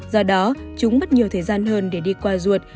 do đó chúng mất nhiều thời gian hơn để đi qua ruột